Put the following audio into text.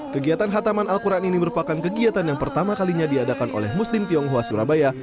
kegiatan khataman al quran ini merupakan kegiatan yang pertama kalinya diadakan oleh muslim tionghoa surabaya